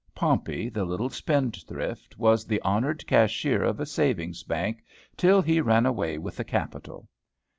Pompey, the little spendthrift, was the honored cashier of a savings bank, till he ran away with the capital.